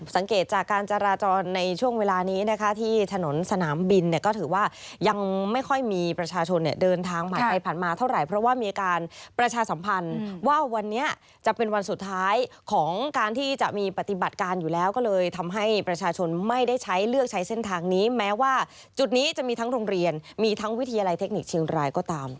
สังเกตจากการจราจรในช่วงเวลานี้นะคะที่ถนนสนามบินเนี่ยก็ถือว่ายังไม่ค่อยมีประชาชนเนี่ยเดินทางผ่านไปผ่านมาเท่าไหร่เพราะว่ามีการประชาสัมพันธ์ว่าวันนี้จะเป็นวันสุดท้ายของการที่จะมีปฏิบัติการอยู่แล้วก็เลยทำให้ประชาชนไม่ได้ใช้เลือกใช้เส้นทางนี้แม้ว่าจุดนี้จะมีทั้งโรงเรียนมีทั้งวิทยาลัยเทคนิคเชียงรายก็ตาม